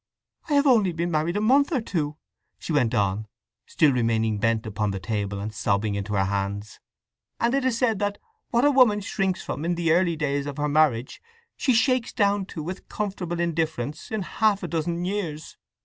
"I have only been married a month or two!" she went on, still remaining bent upon the table, and sobbing into her hands. "And it is said that what a woman shrinks from—in the early days of her marriage—she shakes down to with comfortable indifference in half a dozen years.